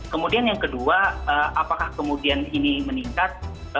kemudian yang kedua apakah kemudian ini meningkat